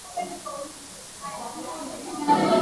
hakika mtu anayefahamika na kujulikana sana ni ahmed misti